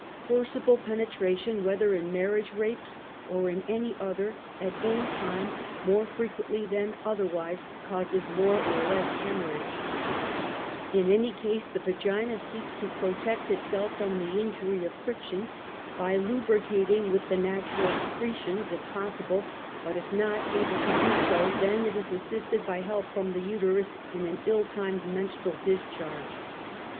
(Forcible penetration whether in marriage rapes \ or in any other, at any time, more frequently than ) otherwise, causes more or less hemorrhage. In any^ 88 UNMASKED. /, V case the vagina seeks to protect itself from the injury of friction by lubricating with the natural secretions^ if possible, but if not able to do so then it is assisted ^2 ,\ by help from the uterus in an ill timed menstrual discharge.)